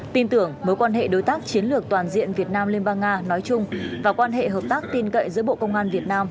tin tưởng mối quan hệ đối tác chiến lược toàn diện việt nam liên bang nga nói chung và quan hệ hợp tác tin cậy giữa bộ công an việt nam